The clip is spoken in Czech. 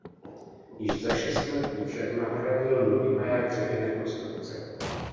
Již za šest let ji však nahradil nový maják dřevěné konstrukce.